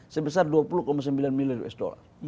sebesar dua puluh sembilan miliar usd